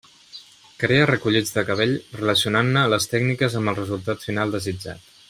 Crea recollits de cabell relacionant-ne les tècniques amb el resultat final desitjat.